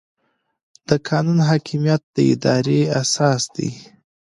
د قانون حاکمیت د ادارې اساس دی.